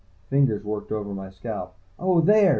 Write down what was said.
Fingers worked over my scalp. "Oh, there!"